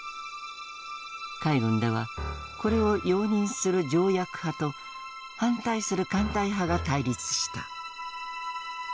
海軍ではこれを容認する条約派と反対する艦隊派が対立した。